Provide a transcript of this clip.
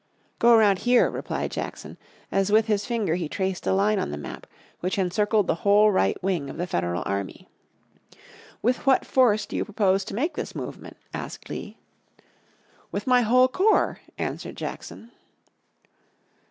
"Go around here," replied Jackson, as with his finger he traced a line on the map which encircled the whole right wing of the Federal army. "With what force do you propose to make this movement?" asked Lee. "With my whole corps," answered Jackson.